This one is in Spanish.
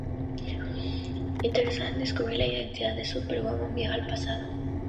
Interesada en descubrir la identidad de Superwoman, viaja al pasado.